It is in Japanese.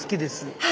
はい。